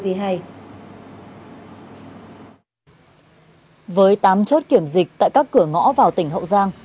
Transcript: với tám chốt kiểm dịch tại các cửa ngõ vào tỉnh hậu giang